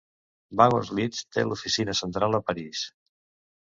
Wagons-Lits té l'oficina central a París.